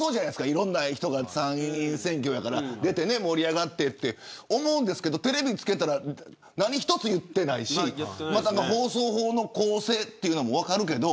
いろんな人が参院選挙やから出て盛り上がって、と思うんですがテレビつけたら何一つ言ってないし放送法の公正というのも分かるけれど。